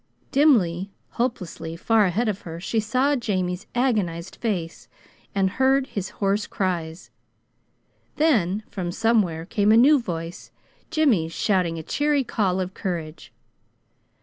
Dimly, hopelessly, far ahead of her, she saw Jamie's agonized face, and heard his hoarse cries. Then, from somewhere, came a new voice Jimmy's shouting a cheery call of courage.